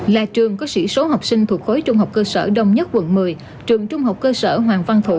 là trường có sĩ số học sinh thuộc khối trung học cơ sở đông nhất quận một mươi trường trung học cơ sở hoàng văn thụ